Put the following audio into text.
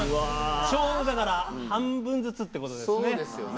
ちょうどだから半分ずつってことですね。